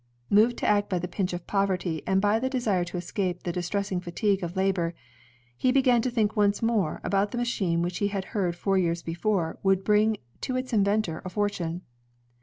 Moved to act by the pinch of poverty and by the desire to escape the distress ing fatigue of labor, he began to think once more about the machine which he had heard four years before would bring to its inventor a fortune.